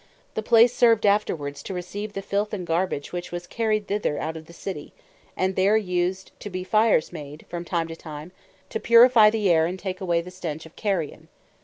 the place served afterwards, to receive the filth, and garbage which was carried thither, out of the City; and there used to be fires made, from time to time, to purifie the aire, and take away the stench of Carrion.